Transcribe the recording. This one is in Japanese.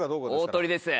大トリです。